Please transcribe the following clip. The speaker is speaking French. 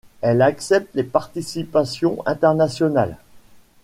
Elle accepte les participations internationales.